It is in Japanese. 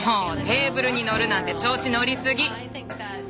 テーブルに乗るなんて調子乗りすぎ。